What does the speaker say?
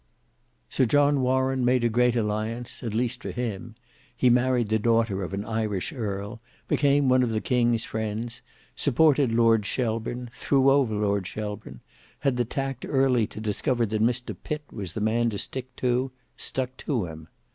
Sir John Warren made a great alliance, at least for him; he married the daughter of an Irish earl; became one of the king's friends; supported Lord Shelburne, threw over Lord Shelburne, had the tact early to discover that Mr Pitt was the man to stick to, stuck to him.